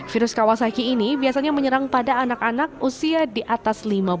virus kawasaki ini biasanya menyerang pada anak anak usia di atas laki